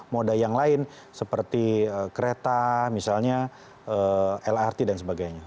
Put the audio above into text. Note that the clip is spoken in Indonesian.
moda yang lain seperti kereta misalnya lrt dan sebagainya